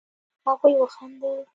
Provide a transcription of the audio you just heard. هغوئ وخندل.